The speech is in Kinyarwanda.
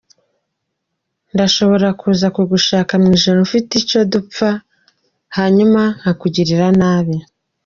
"Ndashobora kuza kugusaka mw'ijoro mfise ico dupfa hanyuma nkakugirira nabi.